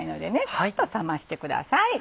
ちょっと冷ましてください。